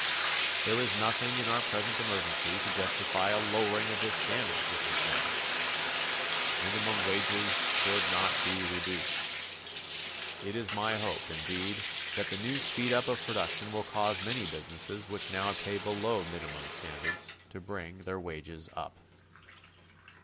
There is nothing in our present emergency to justify a lowering of the standards of employment. Minimum wages should not be reduced. It is my hope, indeed, that the new speed up of production will cause many businesses which now pay below the minimum standards to bring their wages up.